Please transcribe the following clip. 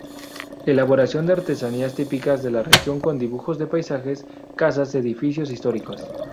Elaboración de artesanías típicas de la región con dibujos de paisajes, casas, edificios históricos.